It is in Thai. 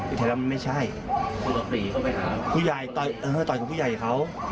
อีกทีแล้วมันไม่ใช่ผู้ใหญ่ต่อยเออต่อยกับผู้ใหญ่เขา